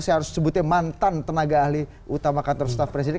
saya harus sebutnya mantan tenaga ahli utama kantor staff presiden